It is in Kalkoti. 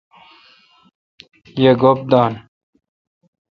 یی گوپ دان۔